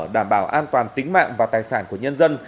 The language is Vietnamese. đảm bảo an toàn tính mạng và tài sản của nhân dân